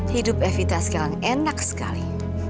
hidup evita sekarang enak sekali